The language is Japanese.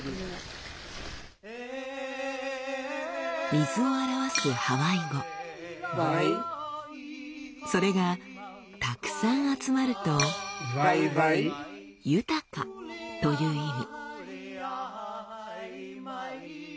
水を表すハワイ語それがたくさん集まると「豊か」という意味。